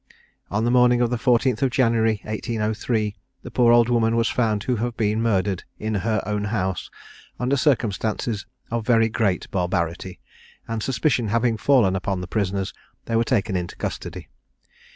On the morning of the 14th of January 1803, the poor old woman was found to have been murdered in her own house, under circumstances of very great barbarity; and suspicion having fallen upon the prisoners, they were taken into custody.